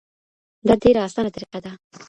دا ډیره اسانه طریقه ده.